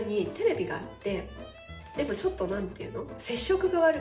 でもちょっとなんていうの？